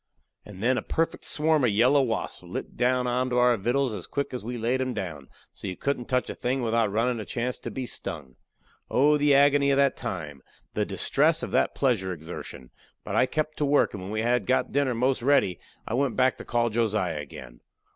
And then a perfect swarm of yellow wasps lit down onto our vittles as quick as we laid 'em down, so you couldn't touch a thing without runnin' a chance to be stung. Oh, the agony of that time! the distress of that pleasure exertion! But I kep' to work, and when we had got dinner most ready I went back to call Josiah again.